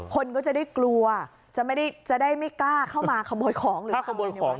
คนก็จะได้กลัวจะได้ไม่กล้าเข้ามาขโมยของหรือขโมยของ